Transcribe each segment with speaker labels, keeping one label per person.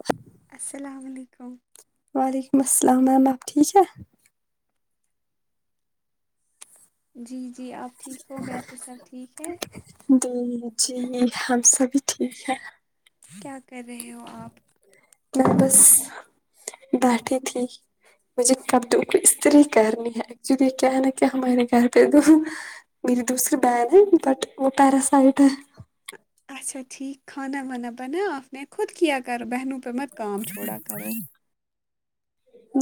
Speaker 1: [unintelligible]
Speaker 2: اسلام علیکم
Speaker 1: وعلیکم اسلام میم آپ ٹھیک ہے
Speaker 2: جی جی آپ ٹھیک ہو گھر پہ سب ٹھیک ہے
Speaker 1: جی ہم سب بھی ٹھیک ہے
Speaker 2: کیا کر رہے ہو آپ
Speaker 1: میں بس بیٹھی تھی مجھے تو کپڑو کو استری کرنی ہے کہوں کہ کیا ہمارے گھر پہ میری دوسری بہن ہے بٹ وہ پیراسائٹ ہے
Speaker 2: اچھا ٹھیک کھانا وانا بنا آ اپ نے خود کیا کر بہنو پہ مت کام چھوڑا کرو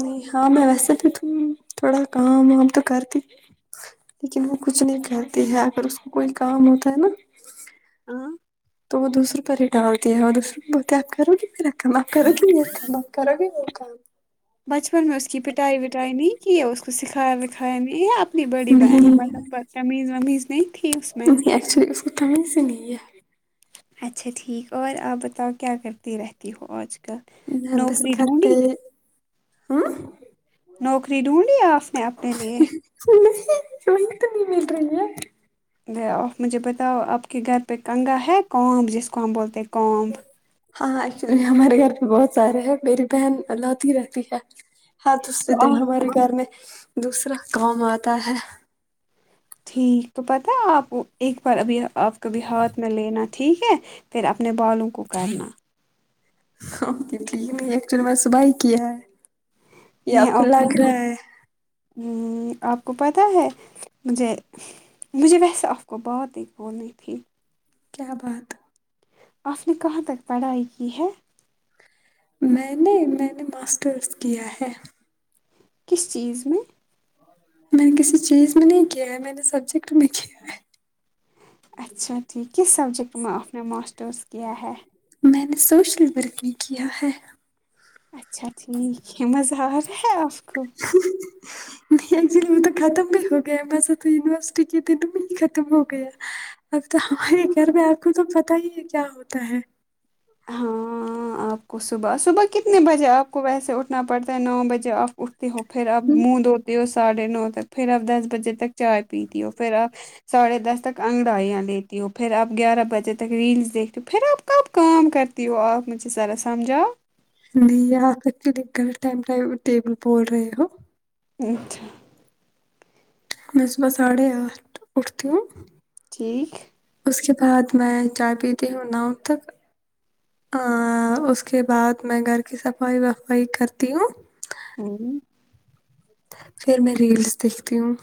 Speaker 1: نہیں ہاں میں ویسا بھی تھوڑا کام وام تو کرتی تھی لیکن وہ کچھ نہیں کہتی ہے اگر اس کو کوئی کام ہوتا ہے نا
Speaker 2: ہمم
Speaker 1: تو وہ دوسروں پر ہی ڈالتی ہے وہ تو وہ دوسری پر ہی ڈالتے ہیں تو دوسری کو میرا کام آپ کرو گی یہ کام آپ کرو گے وہ کام
Speaker 2: بچپن میں اس کی پٹائی وٹائی نہیں کی ہے اس کو سکھایا وکھا ھائے میں یا اپنی بڑی
Speaker 1: نہیں
Speaker 2: بہنیں مطلب تمیز ومیز نہیں تھی اس میں
Speaker 1: چھی اس کوتمیز ہی نہیں ہے
Speaker 2: اچھا ٹھیک اور آپ بتاؤ کیا کرتی رہتی ہو آج کل
Speaker 1: میں بس
Speaker 2: نوکری
Speaker 1: گھر پہ
Speaker 2: ڈھونڈی
Speaker 1: ہاں
Speaker 2: نوکری ڈھونڈی آپ نے اپنے لئے
Speaker 1: نہیں وہ ہی تو نہیں مل رہی ہے
Speaker 2: آ مجھے بتاؤ آپ کے گھر پہ کنگا ہے کومب جس کو ہم بولتے ہیں کومب
Speaker 1: ہاں ایکچولی ہمارے گھر بھی بہت سارے ہیں میری بہن لا تی رہتی ہے ہاتھ دوسرے
Speaker 2: تو
Speaker 1: دن
Speaker 2: آپ
Speaker 1: ہمارے گھر میں دوسرا کام آتا ہے
Speaker 2: ٹھیک تو پتہ ہے آپ کو ایک بار ابھی آپ کابھی ہاتھ میں لینا ٹھیک ہے پھر اپنے بالوں کو کرنا
Speaker 1: ہاں دی دی یہ میں نے ایکچو ل میں صبح ہی کیا ہے یہ آپ کو لگ رہا ہے
Speaker 2: ہمم آپ کو پتہ ہے مجھے مجھے ویسے آپ کو بات ایک بولنی تھی
Speaker 1: کیا بات
Speaker 2: آپ نے کہاں تک پڑھائی کی ہے
Speaker 1: میں نے میں نے ماسٹرس کیا ہے
Speaker 2: کس چیز میں
Speaker 1: میں نے کسی چیز میں نہیں کیا ہے میں نے سبجیکٹ میں کیا ہے
Speaker 2: اچھا ٹھیک کس سبجیکٹ میں آپ نے ماسٹرس کیا ہے
Speaker 1: میں نے سوشل ورک بھی کیا ہے
Speaker 2: اچھا ٹھیک ہے مزہ آ رہا ہے آپ کو
Speaker 1: نہیں ایکچولی وہ تو ختم بھی ہو گیا وسے ا تو یونیورسٹی کے دن میں ہی ختم ہو گیا اب تو ہمارے گھر میں آپ کو تو پتہ ہی ہے کیا ہوتا ہے
Speaker 2: ہاں آپ کو صبح صبح کتنے بجے آپ کو ویسے اٹھنا پڑتا ہے نو بجے آپ اٹھ ہو پھر آپ منہ دھوتے ہو ساڑھے نو تک پھر آپ دس بجے تک چائے پیتی ہو پھر آپ ساڑھے دس تک انگڑائیاں لیتی ہو پھر آپ گیارہ بجے تک ریلس دیکھتی ہو پھر آپ کب کام کر تی ہو آپ مجھے ذرا سمجھاؤ
Speaker 1: جی آپ کر کے گلت ٹائم ٹیبل بول رہے ہو
Speaker 2: ہمم اچھا
Speaker 1: میں صبح ساڑھے آٹھ اٹھتی ہوں
Speaker 2: ٹھیک
Speaker 1: اس کے بعد میں چائے پیتی ہوں نؤ تک ہاں اس کے بعد میں گھر کی صفائی وفائی کرتی ہوں
Speaker 2: ہمم
Speaker 1: پھر میں ریلس دیکھتی ہوں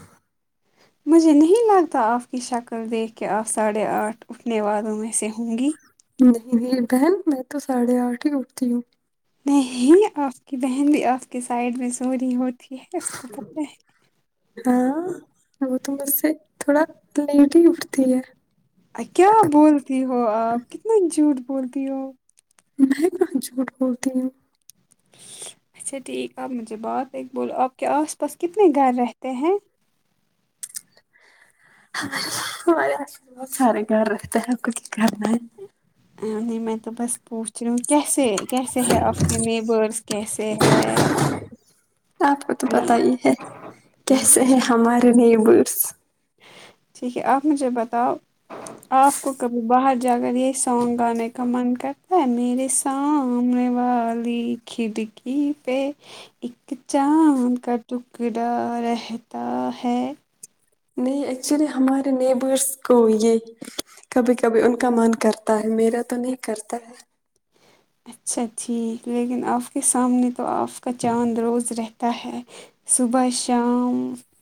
Speaker 2: مجھے نہیں لگتا آپ کی شکل دیکھ کے آپ ساڑھے آٹھ اٹھنے والوں میں سے ہوں گی
Speaker 1: نہیں نہیں بہن میں تو ساڑھے آٹھ ہی اٹھتی ہوں
Speaker 2: نہیں آپ کی بہن بھی آپ کے سائڈ میں سورہی ہوتی ہے اس کو پتہ ہے
Speaker 1: ہاں وہ تو مجھ سے تھوڑا لیٹ ہی اٹھتی ہے
Speaker 2: ائی کیا بولتی ہو آپ کتنا جھوٹ بولتی ہو
Speaker 1: میں کہاں جھوٹ بولتی ہوں
Speaker 2: اچھا ٹھیک ہے آ پ مجھے بات ایک بولو آپ کے آس پاس کتنے گھر رہتے ہیں
Speaker 1: ہمارے آس پاس بہت سارے گھر رہتے ہیں کچھ گھر نہیں
Speaker 2: یوں ہی میں تو بس پوچھ کیسے کیسے ہے آپ کے نیبرس کیسے ہے
Speaker 1: آپ کو تو پتہ ہی ہے کیسے ہیں
Speaker 2: اچھا
Speaker 1: ہمارے نیبرس
Speaker 2: ٹھیک ہے آپ مجھے بتاؤ آپ کو کبھی باہر جا کر یہی سونگ گانے کا من کرتا ہے میرے سامنے والی کھڑکی پہ اک چاند کا ٹکڑا رہتا ہے
Speaker 1: نہیں ایکچولی ہمارے نیبرس کو یہ کبھی کبھی ان کا من کرتا ہے میرا تو نہیں کرتا ہے
Speaker 2: اچھا ٹھیک لیکن آپ کے سامنے تو آپ کا چاند روز رہتا ہے صبح شام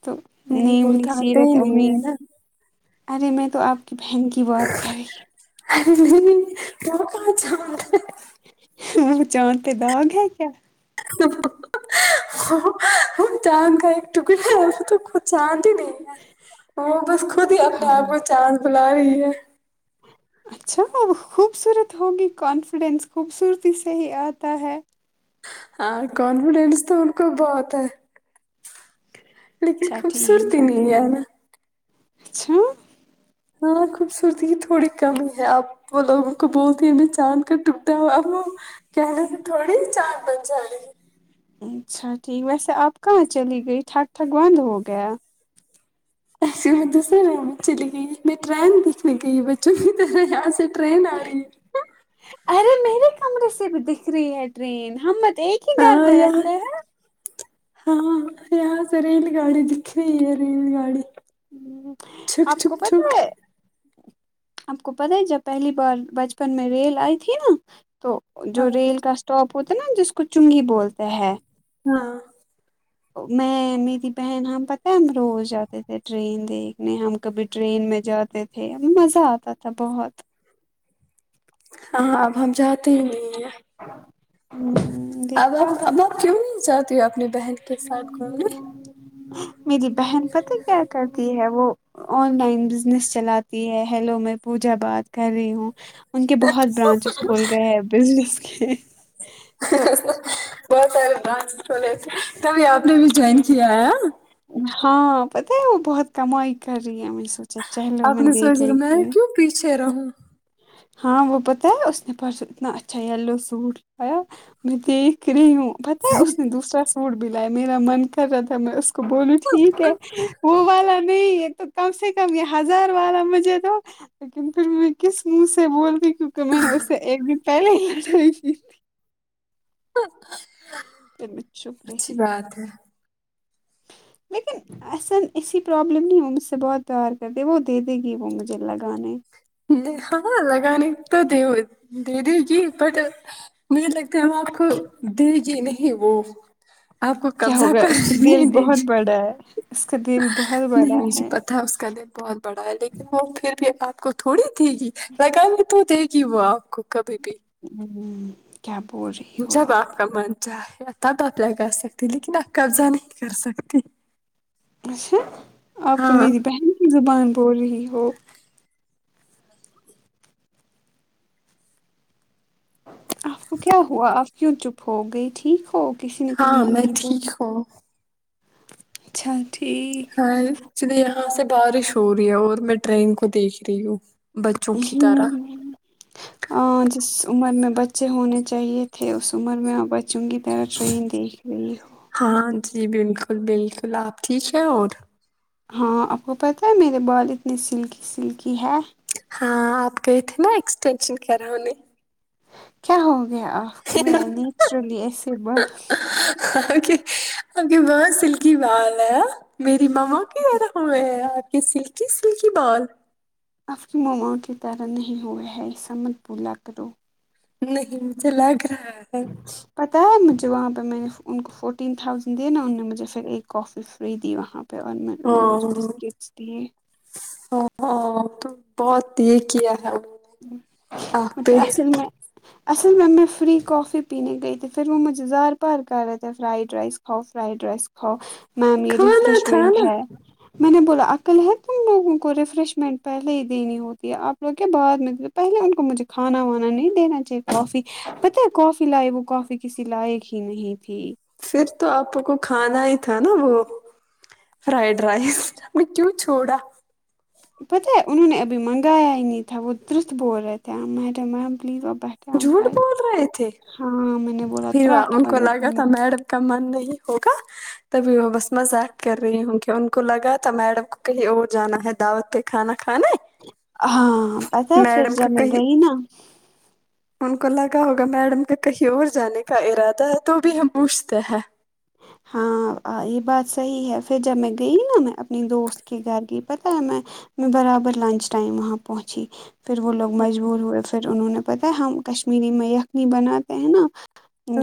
Speaker 2: تو
Speaker 1: نہیں وہ
Speaker 2: نیملی
Speaker 1: تو آتے ہی
Speaker 2: سیرت
Speaker 1: نہیں ہے
Speaker 2: امین
Speaker 1: نا
Speaker 2: ارے میں تو آپ کی بہن کی بات کر رہی ہوں
Speaker 1: ارررے کیا کہا
Speaker 2: وہ چاند پہ داغ ہے کیا
Speaker 1: ا چاند کا ایک ٹکڑا ہے وہ تو چاند ہی نہیں وہ بس خود ہی اپنے
Speaker 2: ہاں
Speaker 1: آپ کو چاند بلا رہی ہے
Speaker 2: اچھا خوبصورت ہوگی کانفیڈینس خوبصورتی سے ہی آتا ہے
Speaker 1: ہاں کانفیڈینس تو ان کو بہت ہے لیکن
Speaker 2: اچھا ٹھیک
Speaker 1: خوبصورتی نہیں ہے نا
Speaker 2: اچھا
Speaker 1: ہاں خوبصورتی کی تھوڑی کمی ہے آپ وہ لوگوں کو بہت ہی نہ چاند کا ٹکٹا وہ کہنے سے تھوڑی چاند بن جا رے
Speaker 2: اچھا ٹھیک ویسے آپ کہاں چلی گئی تھٹگ تھٹگ بند ہو گیا
Speaker 1: ایسیے میں دوسرے روم میں چلی گئی ٹرین دیکھنے گئی بچوں کی طرح ٹرین آ رہی ہے
Speaker 2: ارے میرے کمرے سے بھی دکھ رہی ہے ٹرین ہم بس ایک ہی گھر
Speaker 1: ہاں
Speaker 2: میں
Speaker 1: یار
Speaker 2: رہتے ہیں
Speaker 1: ہاں یہاں سے ریل گاڑی دکھ رہی ہے ریل گاڑی
Speaker 2: ہ
Speaker 1: چھک
Speaker 2: آپ کو
Speaker 1: چھک
Speaker 2: پتہ
Speaker 1: چھک
Speaker 2: ہے آپ کو پتہ ہے جب پہلی بار بچپن میں ریل آئی تھی نا تو
Speaker 1: ہاں
Speaker 2: جو ریل کا اسٹاپ ہوتا ہے نا جس کو چنگی بولتے ہے
Speaker 1: ہاں
Speaker 2: میں میری بہن ہم پتہ ہم روز جاتے تھے ٹرین دیکھنے ہم کبھی ٹرین میں جاتے تھے مزہ آتا تھا بہت
Speaker 1: ہاں اب ہم جاتے ہی نہیں ہیں
Speaker 2: ہ ہ [unintelligible]
Speaker 1: اب آپ اب آپ کیوں نہیں جاتی ہو اپنی بہن کے ساتھ گھومنے
Speaker 2: میری بہن پتہ ہے کیا کرتی ہے وہ آن لائن بزنس چلاتی ہے ہیلو میں پوجا بات کر رہی ہوں ان کے بہت برانچیز کھول گئے ہیں بزنس کے تو
Speaker 1: بہت سارے برانچ کھولے تھے تبھی آپ نے بھی جوائن کیا ہے
Speaker 2: ہاں پتہ ہے وہ بہت کمائی کر رہی ہے میں نے سوچا چلو
Speaker 1: آپ
Speaker 2: میں
Speaker 1: نے
Speaker 2: دیکھ
Speaker 1: سوچا
Speaker 2: لیتی
Speaker 1: میں
Speaker 2: ہوں
Speaker 1: کیوں پیچھے رہوں
Speaker 2: ہاں وہ بتایا اس نے پرسوں اتنا اچھا یلو سوٹ لایا میں د کری ہوں بتایا اس نے دوسرا سوٹ بھی لایا میرا من کر رہا تھا میں اس کو بولوں ٹھیک ہے وہ والا نہیں یہ تو کم سے کم یہ ہزار والا مجھے تو لیکن پھر کس منہ سے بول دی کیونکہ میں نے اس سے ایک دن پہلے ہی لڑائی کی تھی پھر میں چپ
Speaker 1: اچھی
Speaker 2: رہی
Speaker 1: بات ہے
Speaker 2: لیکن ایسا ایسی پرابلم نہیں ہو مجھ سے بہت پیار کرتی ہے وہ دے دے گی وہ مجھے لگانے
Speaker 1: ہاں لگانے تو دے دے گی بٹ مجھے لگتا ہے آپ کو دیجی گی نہیں وہ آپ کو
Speaker 2: کیا ہو
Speaker 1: قبضہ
Speaker 2: گیا
Speaker 1: کر
Speaker 2: اس کا دل
Speaker 1: نہیں دے
Speaker 2: بہت
Speaker 1: گی
Speaker 2: بڑا ہے اس کا دل بہت
Speaker 1: نہیں
Speaker 2: بڑا
Speaker 1: مجھے
Speaker 2: ہے
Speaker 1: پتا اس کا دل بہت بڑا ہے لیکن وہ پھر بھی آپ کو تھوڑی دے گی میں کہوں گی تو دے گی کی وہ آپ کو کبھی بھی
Speaker 2: ہ کیا بول رہی ہو آپ
Speaker 1: ا تب [unintelligible] آپ ل کرا سکتی لیکن آپ قبضہ نہیں کر سکتی
Speaker 2: اچھا آپ تو
Speaker 1: ہاں
Speaker 2: میری بہن کی زبان بول رہی ہو آپ کو کیا ہوا آپ کیوں چپ ہو گئی ٹھیک ہو کسی نے کچھ
Speaker 1: ہاں میں
Speaker 2: کچھ بولا
Speaker 1: ٹھیک ہوں
Speaker 2: ٹھیک
Speaker 1: ہاں چلے یہاں سے بارش ہو رہی ہے اور میں ٹرین کو دیکھ رہی ہوں بچوں کی طرح
Speaker 2: ہوں ہاں جس عمر میں بچے ہونے چاہیے تھے اس عمر میں چنگی تیرا ٹرین دیکھ رہی ہو
Speaker 1: ہاں جی بالکل بالکل آپ ٹھیک ہیں اور
Speaker 2: ہاں آپ کو پتہ ہے میرے بال اتنے سلکی سلکی ہے
Speaker 1: ہاں آپ گئے تھے نا ایکسٹینشن کر وانے
Speaker 2: کیا ہو گیا آپ کو میرے نیچرلی ایسے
Speaker 1: اچھا آپکے بہت سلکی بال ہے ہاں میری مماں کہہ رہے ہوئے ہیں آپ کے سلکی سلکی بال
Speaker 2: آپ کی ماما کی طرح نہیں ہو ہے ایسا مت بولا کرو
Speaker 1: نہیں مجھے لگ رہا ہے
Speaker 2: پتا ہے مجھے وہاں پہ میں نے ان کو فورٹین تھاؤزینڈ دے نا ان نے مجھے پھر ایک کافی فرید وہاں پہ اور میں انہیں نے مجھے بسکٹس دیے
Speaker 1: ہ ہاں تو بہت یہ کیا ہے آپ پہ
Speaker 2: مطلب اصل میں اصل میں میں فری کافی پینے گئی تھی پھر وہ مجھے زار پار کر رہے تھا فرائڈ رائس کھاؤ فرائڈ رائس کھاؤ میم یہ
Speaker 1: کھانا تھا
Speaker 2: ریفریشمنٹ
Speaker 1: نا
Speaker 2: ہے میں نے بولا عقل ہے تم لوگوں کو ریفریشمنٹ پہلے ہی دینی ہوتی ہے آپ لوگ کیا بات پہلے ان کو مجھے کھانا وانا نہیں دینا چاہیے کافی پتہ ہے کافی لائے وہ کافی کسی لائق ہی نہیں تھی
Speaker 1: پھر تو آپ کو کھانا ہی تھا نا وہ فرائیڈ رائس میں کیوں چھوڑا
Speaker 2: پتہ ہے انہوں نے ابھی منگایا ہی نہیں تھا وہ درست بول رہے تھےییم پ [unintelligible]
Speaker 1: جھوٹ بول رہے تھے
Speaker 2: میں نے بولا
Speaker 1: پھر
Speaker 2: تراٹ
Speaker 1: ان کو
Speaker 2: پڑے
Speaker 1: لگا
Speaker 2: تمہیں
Speaker 1: تھا میڈم کا من نہیں ہوگا تبھی وہ بس مذاق کر رہی ہوں کہ ان کو لگا تھا میڈم کو کہیں اور جانا ہے دعوت پہ کھانا کھانے
Speaker 2: ہاں پتا ہے پھر
Speaker 1: کا
Speaker 2: جب میں
Speaker 1: کہیں
Speaker 2: گئی نا
Speaker 1: ان کو لگا ہوگا میڈم کے کہیں اور جانے کا ارادہ ہے تو بھی ہم پوچھتے ہیں
Speaker 2: ہاں یہ بات صحیح ہے پھر جب میں گئی نا میں اپنی دوست کے گھر گئی پتہ ہے میں میں برابر لنچ ٹائم وہاں پہنچی پھر وہ لوگ مجبور ہوئے پھر انہوں نے پتاہ ہے ہم کشمیری میں یخنی بناتے ہیں نا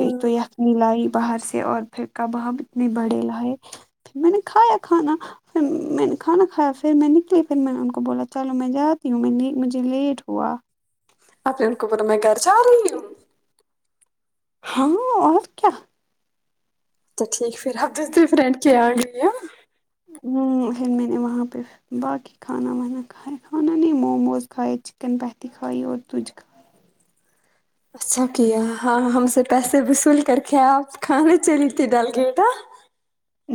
Speaker 2: ایک تو یخنی لائی باہر سے اور پھر کباب اتنے بڑے لائے پھر میں نے کھایا کھانا پھر میں نے کھانا کھایا پھر میں نکلی پھر میں نے ان کو بولا چلو میں جاتی ہوں میں مجھے لیٹ ہوا
Speaker 1: اپنے ان کو بولا میں گھر جا رہی ہوں
Speaker 2: ہاں اور کیا
Speaker 1: تو ٹھیک پھر دوسری فرنڈ کے آ گ ہے
Speaker 2: ہوں ہوں وہاں پہ باقی کھانا وانا کھایا کھانا نہیں موموز کھائے چکن پتی کھائی اور تجھ کھ
Speaker 1: اچھا کیا ہاں ہم سے پیسے وصول کر کے آپ کھانے چلی تھی ڈال کے بیٹا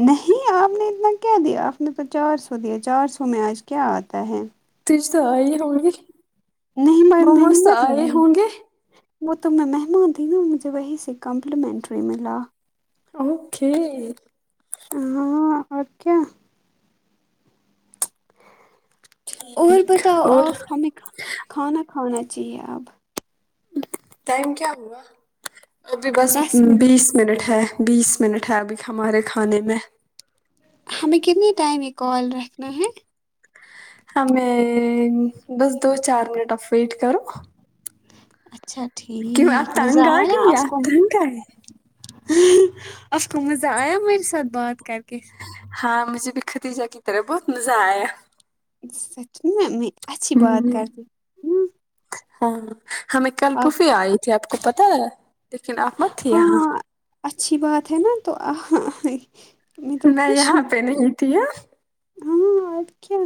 Speaker 2: نہیں آپ نے اتنا کیا دیا آپ نے تو چار سو دیا چار سو میں آج کیا آتا ہے
Speaker 1: تج تو آ ہی ہونگی
Speaker 2: نہیں مے مینے مت لگائی
Speaker 1: ہوں گے
Speaker 2: وہ تو میں مہمان تھی مجھے وہیں سے کمپلیمنٹ وی ملا
Speaker 1: اوکے
Speaker 2: ہاں اور کیا اور
Speaker 1: ٹھیک
Speaker 2: بتاؤ
Speaker 1: اور
Speaker 2: آپ ہمیں ک کھانا کھانا چاہیے آب
Speaker 1: ٹائم کیا ہوا ابھی بس بیس منٹ ہے بیس منٹ ہے ابھی ہمارے کھانے میں
Speaker 2: ہمیں کتنے ٹائم یہ کال رکھنا ہے
Speaker 1: ہم میں بس دو چار منٹ اف ویٹ کرو
Speaker 2: اچھا
Speaker 1: کیوں آپ
Speaker 2: ٹھیک مزہ
Speaker 1: تنگ آ
Speaker 2: آیا
Speaker 1: گئی
Speaker 2: آف کو
Speaker 1: آپ تنگ آئے
Speaker 2: آپ کو مزہ آیا میرے ساتھ بات کر کے
Speaker 1: ہاں مجھے بھی خھتیجا کی طرح بہت مزہ آیا
Speaker 2: سچمے نی اچھی بات
Speaker 1: ہوں
Speaker 2: کرتے
Speaker 1: ہاں ہمیں کل
Speaker 2: اب
Speaker 1: پوفی آئی تھی آپ کو پتا ہے لیکن آپ مت تھی یہاں
Speaker 2: ہاں اچھی بات ہے نا تو میں تو خوش
Speaker 1: یہاں
Speaker 2: ہوں
Speaker 1: پہ نہیں تھی ہاں
Speaker 2: ہاں اور کیا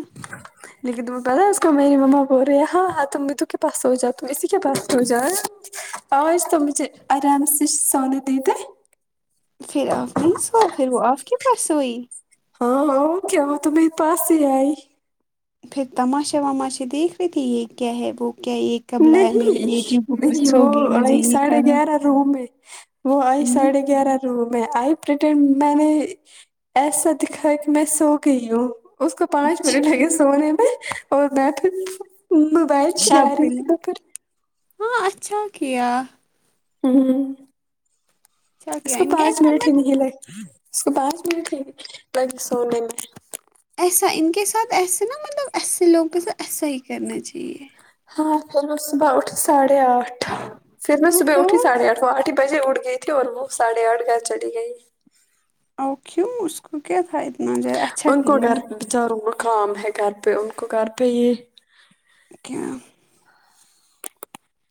Speaker 1: لیکن تمہیں پتا اس کو میری مما بول رہے ہیں ہاں ہاں تمنے تو کے پس سو جاؤ تم اسی کے پاس سو جا آج تو مجھے آرام سے سونے دے دے
Speaker 2: پھر آف نہیں سو پھر وہ آف کے پاس سوئی
Speaker 1: ہاں ہاں کیا تومے پاس ہی آئی
Speaker 2: پھر تماشا وماشے دیکھ رہی تھی یہ کیا ہے وہ کیا یہ کبلایا
Speaker 1: نہیں
Speaker 2: میر بیٹی کو اپرسو گی مجھے یہی کہا
Speaker 1: رو میں وہ آئی ساڑھے گیارہ رو میں آئی پرٹنڈ میں نے ایسا دکھائے کے میں سو گئی ہوں اس کو پانچ منٹ
Speaker 2: اچھا
Speaker 1: لگے سونے میں اور میںتو موبائل چلا
Speaker 2: شاپ
Speaker 1: رہی
Speaker 2: پلے
Speaker 1: تھی تو پھر
Speaker 2: ہاں اچھا کیا
Speaker 1: ہ
Speaker 2: اچھا
Speaker 1: اس
Speaker 2: کیا
Speaker 1: کو
Speaker 2: ان کا
Speaker 1: پانچ
Speaker 2: ایسا
Speaker 1: منٹ
Speaker 2: مت
Speaker 1: ہی نہیں لگ اس کو پانچ منٹ لگے پر سونے میں
Speaker 2: ایسا ان کے ساتھ ایسے نا مطلب ایسے لوگوں کے ساتھ ایسا ہی کرنا چاہیے
Speaker 1: ہاں چلو صبح اٹھ ساڑھے آٹھ پھر میں
Speaker 2: او
Speaker 1: صبح
Speaker 2: ہو
Speaker 1: اٹھی ساڑھے آٹھ آٹھ بجے اٹھ گئی تھی اور وہ ساڑھے آٹھ گھر چلی گئی
Speaker 2: او کیوں اس کو کیا فائدہ
Speaker 1: ان کو گھر بچاروں کو کام ہے گھر پہ ان کو گھر پہ یہ
Speaker 2: [unintelligible]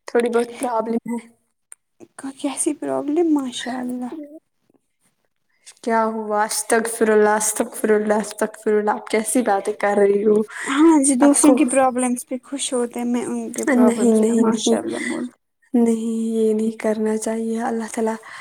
Speaker 1: تھوڑی بہت پرابلم ہے
Speaker 2: کا کیسی پرابلم ماشاء اللہ
Speaker 1: کیا ہوا استک فرولا استک فروللہ استک فرولله کیسی باتیں کر رہی ہوں
Speaker 2: ہاں جو
Speaker 1: آپ کو
Speaker 2: دوسروں کی پرابلمس خوش ہو تو میں ان کے پ
Speaker 1: نہیں
Speaker 2: پرابلمس میں
Speaker 1: نہیں
Speaker 2: ماشاء
Speaker 1: نہیں
Speaker 2: اللہ بولو
Speaker 1: نہیں یہ نہیں کرنا چاہیے اللہ تعالی